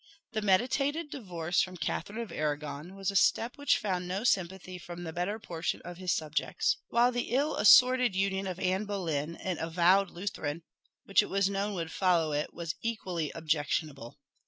The meditated divorce from Catherine of Arragon was a step which found no sympathy from the better portion of his subjects, while the ill assorted union of Anne Boleyn, an avowed Lutheran, which it was known would follow it, was equally objectionable.